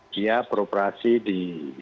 dia beroperasi di